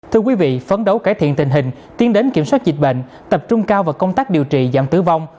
thưa quý vị phấn đấu cải thiện tình hình tiến đến kiểm soát dịch bệnh tập trung cao vào công tác điều trị giảm tử vong